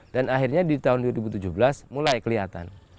dan akhirnya di tahun dua ribu tujuh belas mulai kelihatan